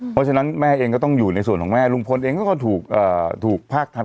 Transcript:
เพราะฉะนั้นแม่เองก็ต้องอยู่ในส่วนของแม่ลุงพลเองก็ถูกภาคทัน